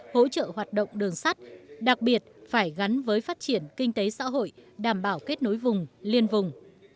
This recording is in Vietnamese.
hỗ trợ hoạt động đường sắt đặc biệt phải gắn với phát triển kinh tế xã hội đảm bảo kết nối vùng liên vùng